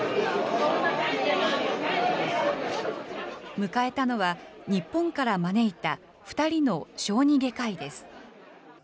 迎えたのは、日本から招いた２人の小児外科医です。